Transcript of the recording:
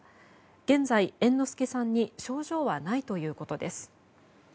現在、猿之助さんに症状はないということです。